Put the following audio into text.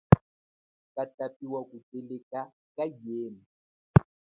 Katapi wa kuteleka kayema.